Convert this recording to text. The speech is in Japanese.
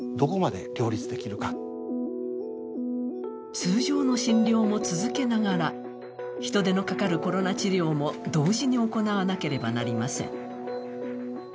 通常の診療も続けながら人手のかかるコロナ治療も同時に行わなければなりません。